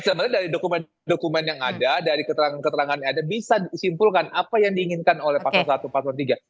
sebenarnya dari dokumen dokumen yang ada dari keterangan keterangan yang ada bisa disimpulkan apa yang diinginkan oleh pasal satu pasal tiga